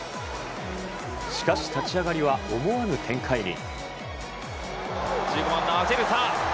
しかし、立ち上がりは思わぬ展開に。